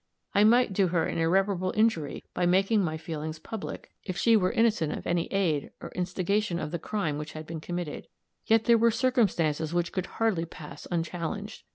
I might do her an irreparable injury by making my feelings public, if she were innocent of any aid or instigation of the crime which had been committed, yet there were circumstances which could hardly pass unchallenged.